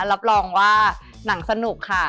รับรองว่าหนังสนุกค่ะ